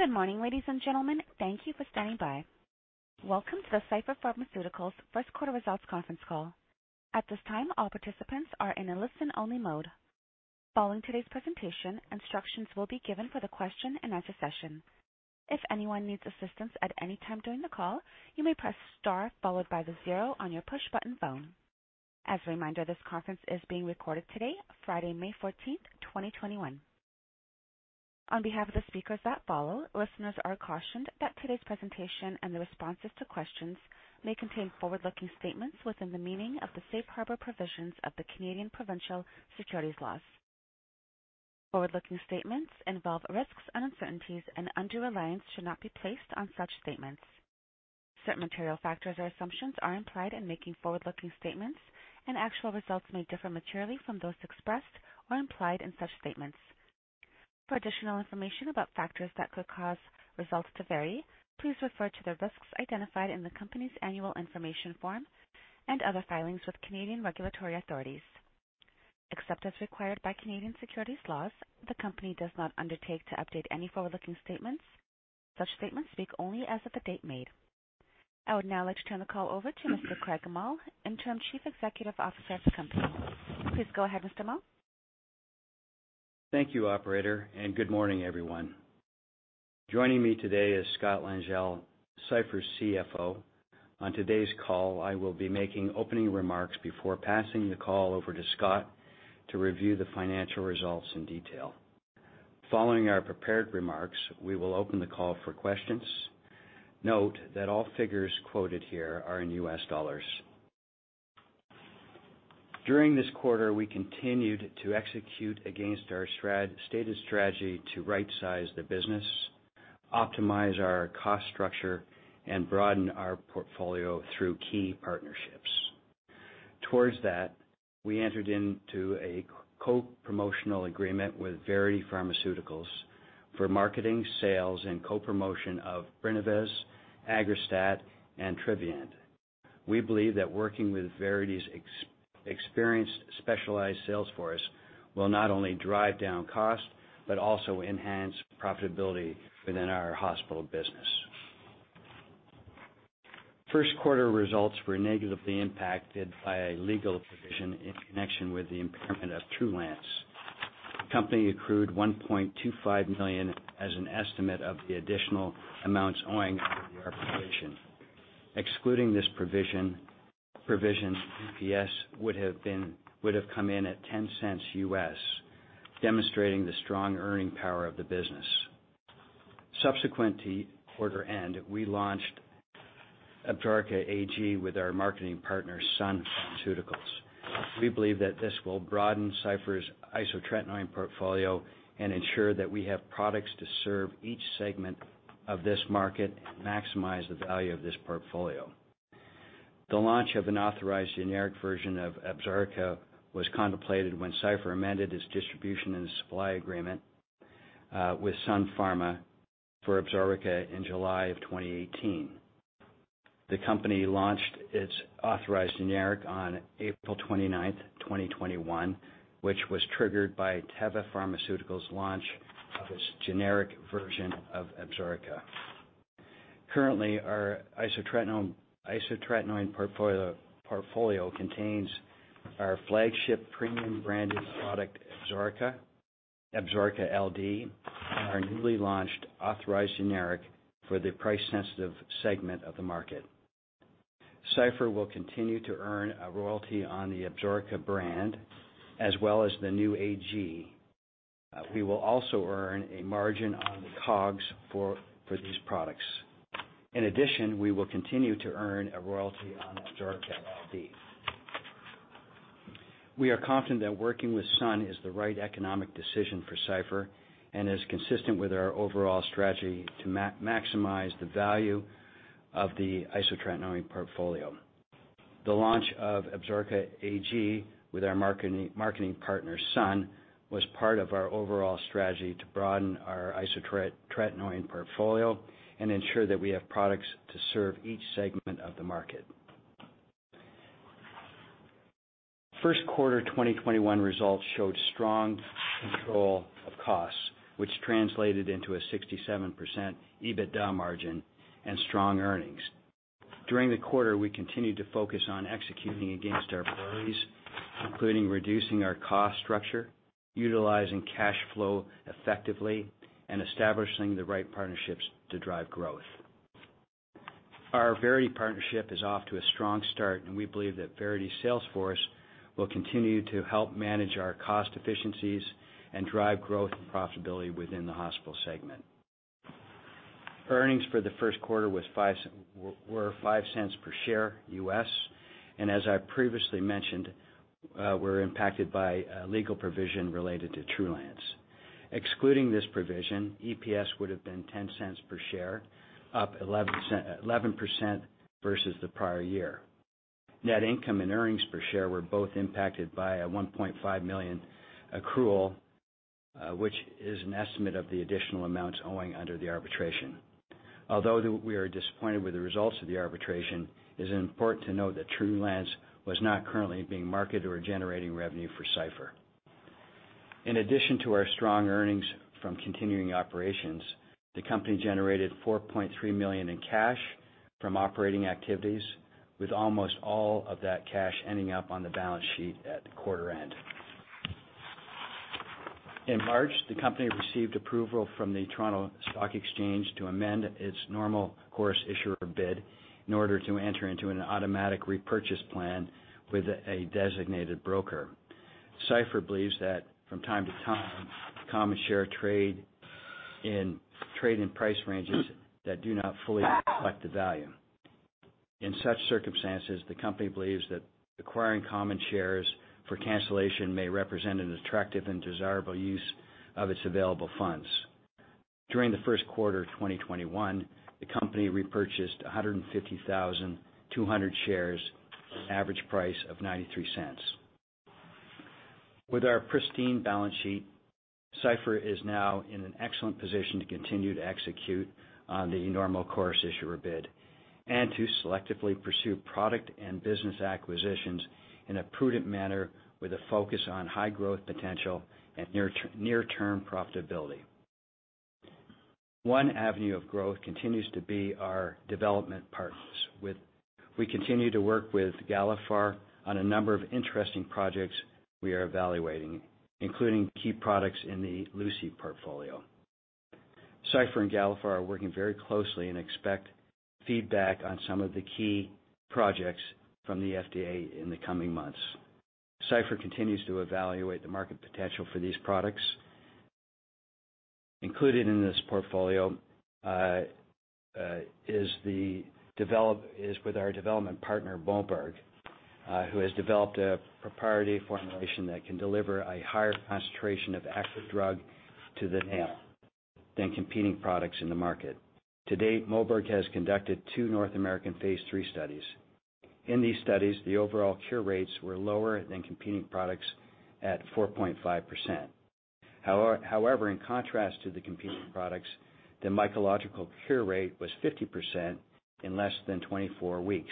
Good morning, ladies and gentlemen. Thank you for standing by. Welcome to the Cipher Pharmaceuticals first quarter results conference call. At this time, all participants are in a listen-only mode. Following today's presentation, instructions will be given for the question and answer session. If anyone needs assistance at any time during the call, you may press star followed by the zero on your push button phone. As a reminder, this conference is being recorded today, Friday, May 14th, 2021. On behalf of the speakers that follow, listeners are cautioned that today's presentation and the responses to questions may contain forward-looking statements within the meaning of the safe harbor provisions of the Canadian provincial securities laws. Forward-looking statements involve risks and uncertainties, and undue reliance should not be placed on such statements. Certain material factors or assumptions are implied in making forward-looking statements, and actual results may differ materially from those expressed or implied in such statements. For additional information about factors that could cause results to vary, please refer to the risks identified in the company's Annual Information Form and other filings with Canadian regulatory authorities. Except as required by Canadian securities laws, the company does not undertake to update any forward-looking statements. Such statements speak only as of the date made. I would now like to turn the call over to Mr. Craig Mull, Interim Chief Executive Officer of the company. Please go ahead, Mr. Mull. Thank you, Operator, and good morning, everyone. Joining me today is Scott Langille, Cipher's CFO. On today's call, I will be making opening remarks before passing the call over to Scott to review the financial results in detail. Following our prepared remarks, we will open the call for questions. Note that all figures quoted here are in U.S. dollars. During this quarter, we continued to execute against our stated strategy to right-size the business, optimize our cost structure, and broaden our portfolio through key partnerships. Towards that, we entered into a co-promotional agreement with Verity Pharmaceuticals for marketing, sales, and co-promotion of Brinavess, Aggrastat, and Trevyent. We believe that working with Verity's experienced, specialized sales force will not only drive down costs but also enhance profitability within our hospital business. First quarter results were negatively impacted by a legal provision in connection with the impairment of Trulance. The company accrued $1.25 million as an estimate of the additional amounts owing to the arbitration. Excluding this provision, EPS would have come in at $0.10, demonstrating the strong earning power of the business. Subsequent to quarter end, we launched Absorica AG with our marketing partner, Sun Pharma. We believe that this will broaden Cipher's isotretinoin portfolio and ensure that we have products to serve each segment of this market and maximize the value of this portfolio. The launch of an authorized generic version of Absorica was contemplated when Cipher amended its distribution and supply agreement with Sun Pharma for Absorica in July of 2018. The company launched its authorized generic on April 29th, 2021, which was triggered by Teva Pharmaceuticals' launch of its generic version of Absorica. Currently, our isotretinoin portfolio contains our flagship premium branded product, Absorica, Absorica LD, and our newly launched authorized generic for the price-sensitive segment of the market. Cipher will continue to earn a royalty on the Absorica brand as well as the new AG. We will also earn a margin on the COGS for these products. In addition, we will continue to earn a royalty on Absorica LD. We are confident that working with Sun is the right economic decision for Cipher and is consistent with our overall strategy to maximize the value of the isotretinoin portfolio. The launch of Absorica AG with our marketing partner, Sun, was part of our overall strategy to broaden our isotretinoin portfolio and ensure that we have products to serve each segment of the market. First quarter 2021 results showed strong control of costs, which translated into a 67% EBITDA margin and strong earnings. During the quarter, we continued to focus on executing against our priorities, including reducing our cost structure, utilizing cash flow effectively, and establishing the right partnerships to drive growth. Our Verity partnership is off to a strong start, and we believe that Verity's sales force will continue to help manage our cost efficiencies and drive growth and profitability within the hospital segment. Earnings for the first quarter were $0.05 per share USD, and as I previously mentioned, we're impacted by a legal provision related to Trulance. Excluding this provision, EPS would have been $0.10 per share, up 11% versus the prior year. Net income and earnings per share were both impacted by a $1.5 million accrual, which is an estimate of the additional amounts owing under the arbitration. Although we are disappointed with the results of the arbitration, it is important to note that Trulance was not currently being marketed or generating revenue for Cipher. In addition to our strong earnings from continuing operations, the company generated $4.3 million in cash from operating activities, with almost all of that cash ending up on the balance sheet at quarter end. In March, the company received approval from the Toronto Stock Exchange to amend its Normal Course Issuer Bid in order to enter into an automatic repurchase plan with a designated broker. Cipher believes that from time to time, common share trade in price ranges that do not fully reflect the value. In such circumstances, the company believes that acquiring common shares for cancellation may represent an attractive and desirable use of its available funds. During the first quarter of 2021, the company repurchased 150,200 shares at an average price of $0.93. With our pristine balance sheet, Cipher is now in an excellent position to continue to execute on the Normal Course Issuer Bid and to selectively pursue product and business acquisitions in a prudent manner with a focus on high growth potential and near-term profitability. One avenue of growth continues to be our development partners. We continue to work with Galephar on a number of interesting projects we are evaluating, including key products in the IP portfolio. Cipher and Galephar are working very closely and expect feedback on some of the key projects from the FDA in the coming months. Cipher continues to evaluate the market potential for these products. Included in this portfolio is with our development partner, Moberg, who has developed a proprietary formulation that can deliver a higher concentration of active drug to the nail than competing products in the market. To date, Moberg has conducted two North American phase III studies. In these studies, the overall cure rates were lower than competing products at 4.5%. However, in contrast to the competing products, the mycological cure rate was 50% in less than 24 weeks,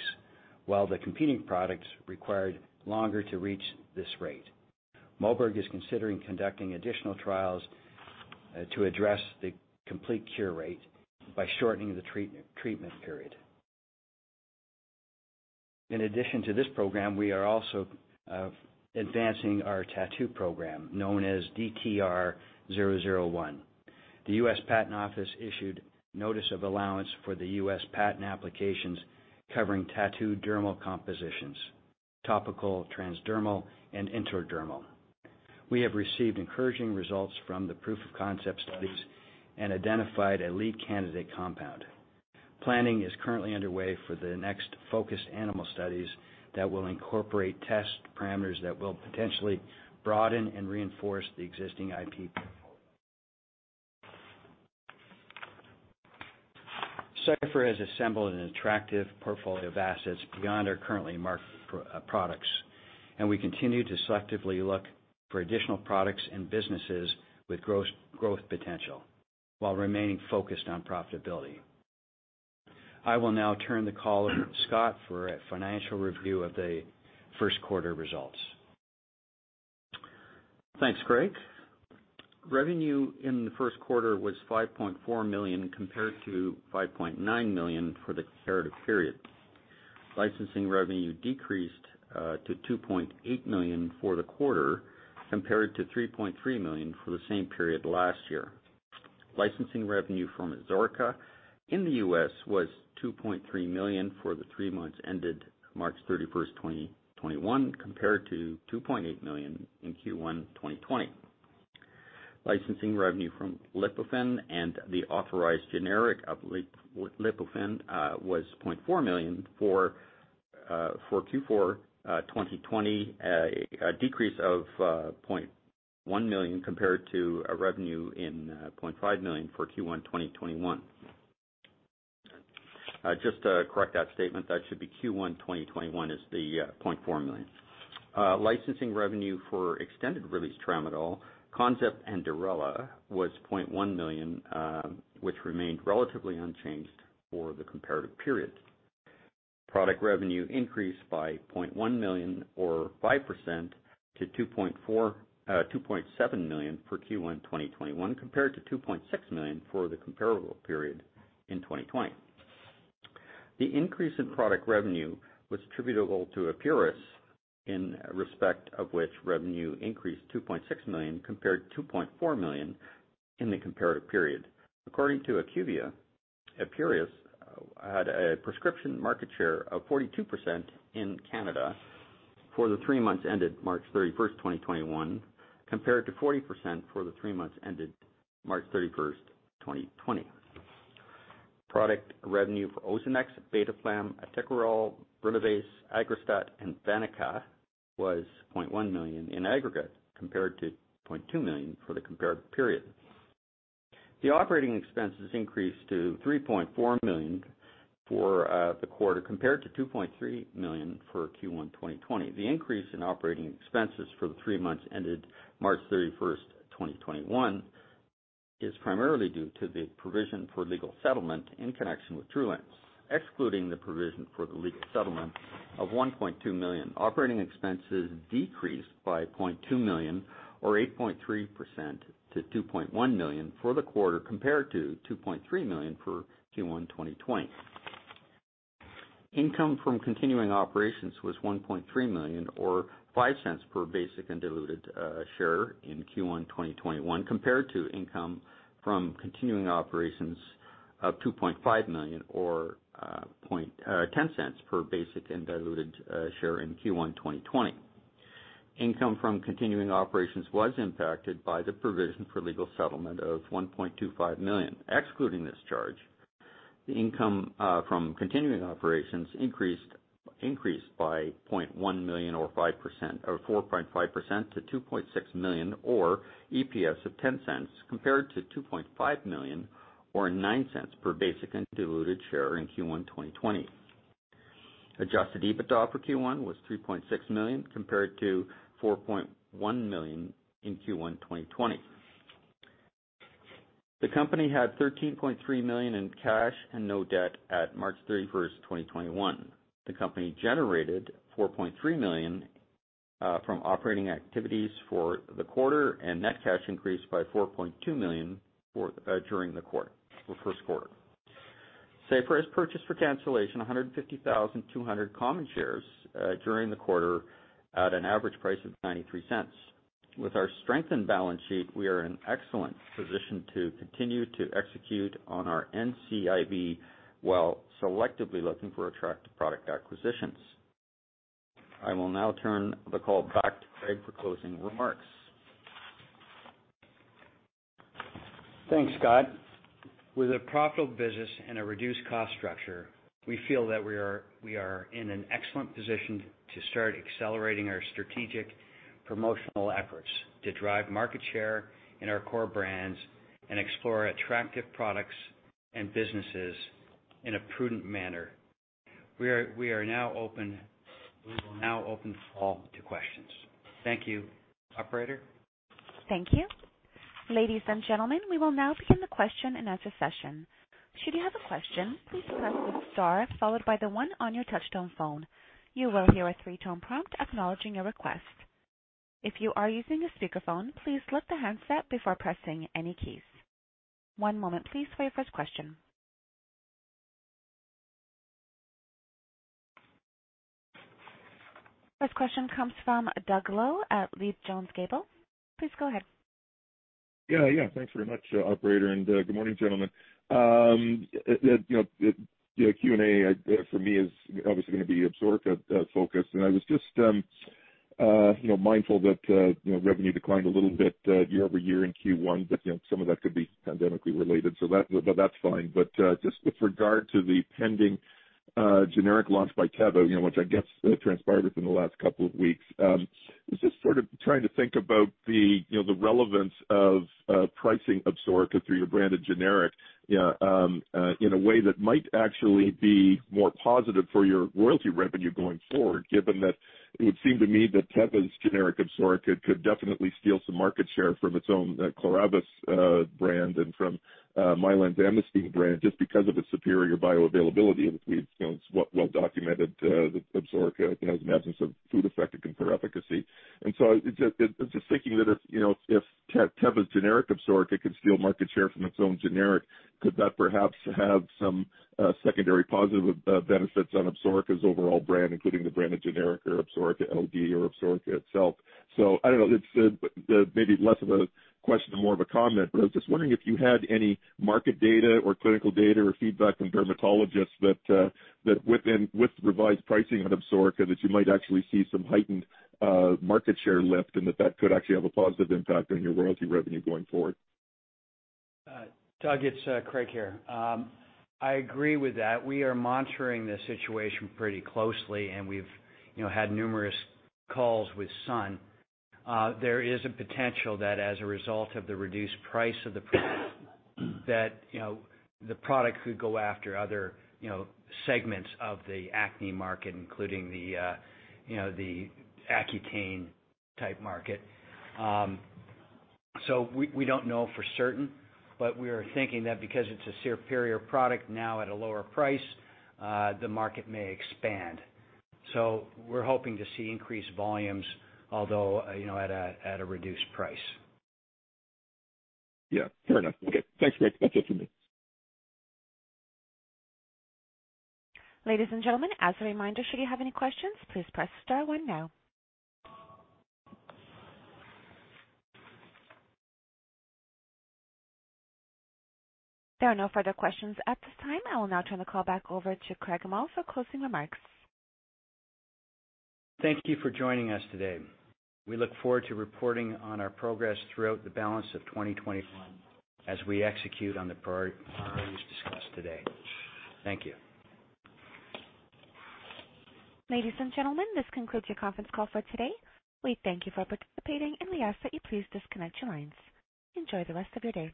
while the competing products required longer to reach this rate. Moberg is considering conducting additional trials to address the complete cure rate by shortening the treatment period. In addition to this program, we are also advancing our tattoo program known as DTR-001. The U.S. Patent Office issued notice of allowance for the U.S. patent applications covering tattoo dermal compositions, topical, transdermal, and intradermal. We have received encouraging results from the proof of concept studies and identified a lead candidate compound. Planning is currently underway for the next focused animal studies that will incorporate test parameters that will potentially broaden and reinforce the existing IP portfolio. Cipher has assembled an attractive portfolio of assets beyond our currently marketed products, and we continue to selectively look for additional products and businesses with growth potential while remaining focused on profitability. I will now turn the call over to Scott for a financial review of the first quarter results. Thanks, Craig. Revenue in the first quarter was $5.4 million compared to $5.9 million for the comparative period. Licensing revenue decreased to $2.8 million for the quarter compared to $3.3 million for the same period last year. Licensing revenue from Absorica in the U.S. was $2.3 million for the three months ended March 31st, 2021, compared to $2.8 million in Q1, 2020. Licensing revenue from Lipofen and the authorized generic of Lipofen was $0.4 million for Q4, 2020, a decrease of $0.1 million compared to a revenue in $0.5 million for Q1, 2021. Just to correct that statement, that should be Q1, 2021 is the $0.4 million. Licensing revenue for extended-release tramadol, ConZip and Durela, was $0.1 million, which remained relatively unchanged for the comparative period. Product revenue increased by $0.1 million or 5% to $2.7 million for Q1, 2021, compared to $2.6 million for the comparable period in 2020. The increase in product revenue was attributable to Epuris, in respect of which revenue increased $2.6 million compared to $2.4 million in the comparative period. According to IQVIA, Epuris had a prescription market share of 42% in Canada for the three months ended March 31st, 2021, compared to 40% for the three months ended March 31st, 2020. Product revenue for Ozanex, Beteflam, Actikerall, Brinavess, Aggrastat, and Vaniqa was $0.1 million in aggregate compared to $0.2 million for the comparative period. The operating expenses increased to $3.4 million for the quarter compared to $2.3 million for Q1, 2020. The increase in operating expenses for the three months ended March 31st, 2021, is primarily due to the provision for legal settlement in connection with Trulance, excluding the provision for the legal settlement of $1.2 million. Operating expenses decreased by $0.2 million or 8.3% to $2.1 million for the quarter compared to $2.3 million for Q1, 2020. Income from continuing operations was $1.3 million or $0.05 per basic and diluted share in Q1, 2021, compared to income from continuing operations of $2.5 million or $0.10 per basic and diluted share in Q1, 2020. Income from continuing operations was impacted by the provision for legal settlement of $1.25 million. Excluding this charge, the income from continuing operations increased by $0.1 million or 4.5% to $2.6 million or EPS of $0.10 compared to $2.5 million or $0.09 per basic and diluted share in Q1, 2020. Adjusted EBITDA for Q1 was $3.6 million compared to $4.1 million in Q1, 2020. The company had $13.3 million in cash and no debt at March 31st, 2021. The company generated $4.3 million from operating activities for the quarter and net cash increased by $4.2 million during the first quarter. Cipher has purchased for cancellation 150,200 common shares during the quarter at an average price of $0.93. With our strengthened balance sheet, we are in an excellent position to continue to execute on our NCIB while selectively looking for attractive product acquisitions. I will now turn the call back to Craig for closing remarks. Thanks, Scott. With a profitable business and a reduced cost structure, we feel that we are in an excellent position to start accelerating our strategic promotional efforts to drive market share in our core brands and explore attractive products and businesses in a prudent manner. We are now open. We will now open the call to questions. Thank you, operator. Thank you. Ladies and gentlemen, we will now begin the question and answer session. Should you have a question, please press the star followed by the one on your touch-tone phone. You will hear a three-tone prompt acknowledging your request. If you are using a speakerphone, please flip the handset before pressing any keys. One moment, please, for your first question. First question comes from Doug Loe at Leede Jones Gable. Please go ahead. Yeah, yeah. Thanks very much, operator, and good morning, gentlemen. The Q&A for me is obviously going to be Absorica, and I was just mindful that revenue declined a little bit year-over-year in Q1, but some of that could be pandemically related, so that's fine. But just with regard to the pending generic launch by Teva, which I guess transpired within the last couple of weeks, it's just sort of trying to think about the relevance of pricing Absorica through your branded generic in a way that might actually be more positive for your royalty revenue going forward, given that it would seem to me that Teva's generic Absorica could definitely steal some market share from its own Claravis brand and from Mylan Amnesteem brand just because of its superior bioavailability. It's well documented that Absorica has an absence of food effect and poor efficacy. And so I'm just thinking that if Teva's generic Absorica could steal market share from its own generic, could that perhaps have some secondary positive benefits on Absorica's overall brand, including the branded generic or Absorica LD or Absorica itself? So I don't know. It's maybe less of a question and more of a comment, but I was just wondering if you had any market data or clinical data or feedback from dermatologists that with revised pricing on Absorica that you might actually see some heightened market share lift and that that could actually have a positive impact on your royalty revenue going forward. Doug, it's Craig here. I agree with that. We are monitoring this situation pretty closely, and we've had numerous calls with Sun. There is a potential that as a result of the reduced price of the product, that the product could go after other segments of the acne market, including the Accutane type market. So we don't know for certain, but we are thinking that because it's a superior product now at a lower price, the market may expand. So we're hoping to see increased volumes, although at a reduced price. Yeah, fair enough. Okay. Thanks, Craig. That's it for me. Ladies and gentlemen, as a reminder, should you have any questions, please press star one now. There are no further questions at this time. I will now turn the call back over to Craig Mull for closing remarks. Thank you for joining us today. We look forward to reporting on our progress throughout the balance of 2021 as we execute on the priorities discussed today. Thank you. Ladies and gentlemen, this concludes your conference call for today. We thank you for participating, and we ask that you please disconnect your lines. Enjoy the rest of your day.